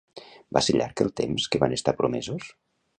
Va ser llarg el temps que van estar promesos?